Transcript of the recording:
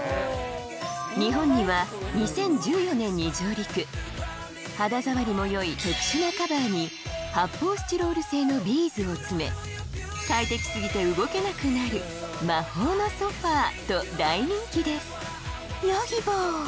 日本には肌ざわりもよい特殊なカバーに発泡スチロール製のビーズを詰め快適すぎて動けなくなる“魔法のソファ”と大人気ですヨギボー！